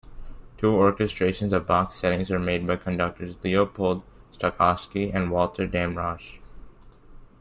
Two orchestrations of Bach's settings were made by conductors Leopold Stokowski and Walter Damrosch.